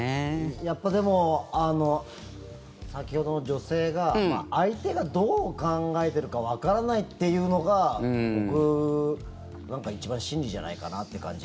やっぱ、でも先ほどの女性が相手がどう考えてるかわからないっていうのが僕、一番真理じゃないかなって感じ。